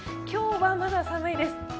今日はまだ寒いです。